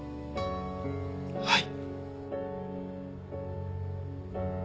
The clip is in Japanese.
はい。